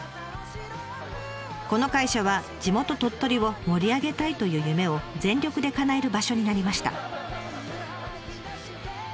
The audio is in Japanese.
この会社は地元鳥取を盛り上げたいという夢を全力でかなえる場所になりました。